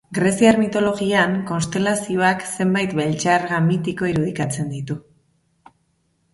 Greziar mitologian, konstelazioak, zenbait beltxarga mitiko irudikatzen ditu.